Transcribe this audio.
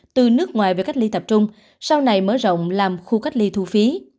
từ nước ngoài về cách ly tập trung sau này mở rộng làm khu cách ly thu phí